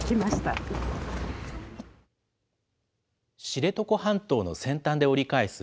知床半島の先端で折り返す